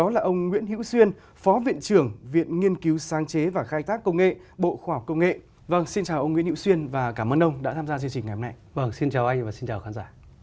vâng xin chào anh và xin chào khán giả